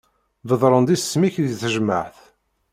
Bedren-d isem-ik di tejmaεt.